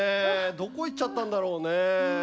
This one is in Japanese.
どこ行っちゃったんだろうね。